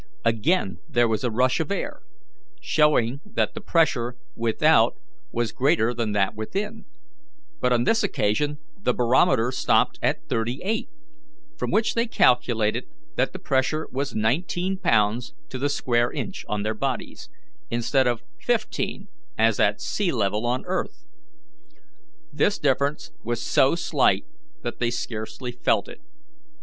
Again there was a rush of air, showing that the pressure without was greater than that within; but on this occasion the barometer stopped at thirty eight, from which they calculated that the pressure was nineteen pounds to the square inch on their bodies, instead of fifteen as at sea level on earth. This difference was so slight that they scarcely felt it.